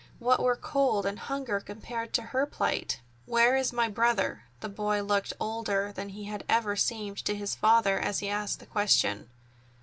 What were cold and hunger compared to her plight? "Where is my brother?" The boy looked older than he had ever seemed to his father as he asked the question.